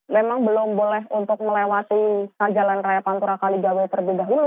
memang belum boleh untuk melewati jalan raya pantura kaligawe terlebih dahulu